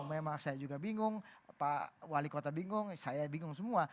memang saya juga bingung pak wali kota bingung saya bingung semua